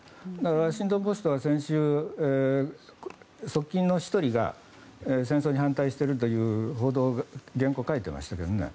ワシントン・ポストは先週、側近の１人が戦争に反対しているという報道原稿を書いていましたよね。